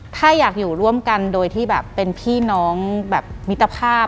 ถ้าอยากอยู่ร่วมกันโดยที่แบบเป็นพี่น้องแบบมิตรภาพ